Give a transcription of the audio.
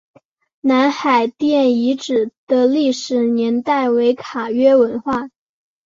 南海殿遗址的历史年代为卡约文化。